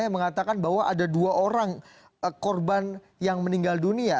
yang mengatakan bahwa ada dua orang korban yang meninggal dunia